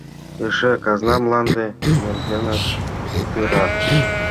Эше казна мланде нергенат кутырат.